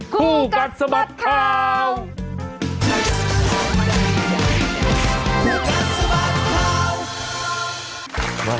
คู่กัดสบัติข่าวรับทราบกรกัดสบัติค่ะ